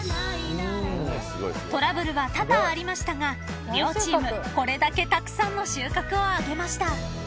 ［トラブルは多々ありましたが両チームこれだけたくさんの収穫を挙げました］